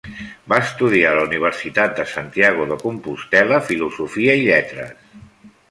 Va estudiar, en la Universitat de Santiago de Compostel·la, Filosofia i Lletres.